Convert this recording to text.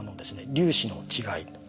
粒子の違い。